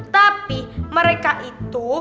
tapi mereka itu